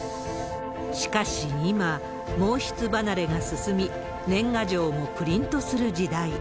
しかし今、毛筆離れが進み、年賀状もプリントする時代。